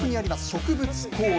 植物公園。